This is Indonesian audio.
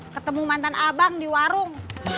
ketemu mantan abang di warung